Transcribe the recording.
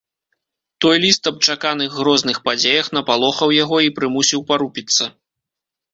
Той ліст аб чаканых грозных падзеях напалохаў яго і прымусіў парупіцца.